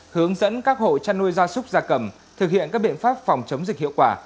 hướng dẫn các hộ chăn nuôi gia súc gia cầm thực hiện các biện pháp phòng chống dịch hiệu quả